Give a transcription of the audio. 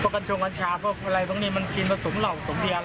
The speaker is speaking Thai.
กัญชาแบบที่มันกินมาซูมเหล่าเนี่ย